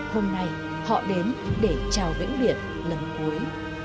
hôm nay họ đến để chào vĩnh biệt lần cuối